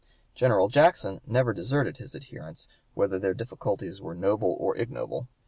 General Jackson never deserted his adherents, whether their difficulties were noble or ignoble.